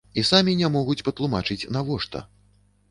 І самі не могуць патлумачыць, навошта.